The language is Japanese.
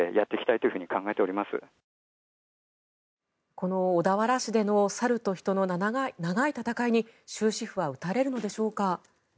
この小田原市での猿と人の長い戦いに終止符は打たれるのでしょうか。